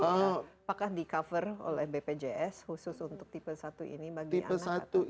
apakah di cover oleh bpjs khusus untuk tipe satu ini bagi anak atau tidak